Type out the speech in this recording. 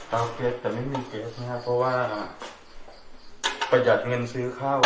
เอาเคสแต่ไม่มีเคสนะครับเพราะว่าประหยัดเงินซื้อข้าว